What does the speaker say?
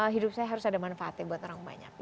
hidup saya harus ada manfaatnya buat orang banyak